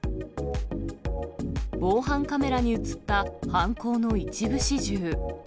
防犯カメラに写った犯行の一部始終。